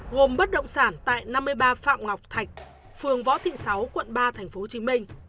gồm bất động sản tại năm mươi ba phạm ngọc thạch phường võ thị sáu quận ba tp hcm